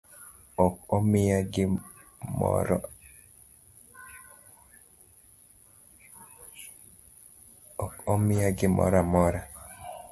Ok omiya gimoramora